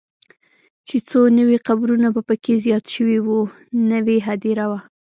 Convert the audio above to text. چې څو نوي قبرونه به پکې زیات شوي وو، نوې هدیره وه.